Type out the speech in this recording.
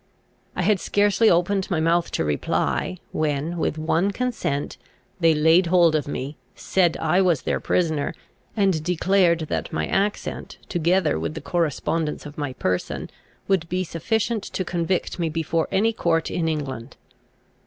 I had scarcely opened my mouth to reply, when, with one consent, they laid hold of me, said I was their prisoner, and declared that my accent, together with the correspondence of my person, would be sufficient to convict me before any court in England.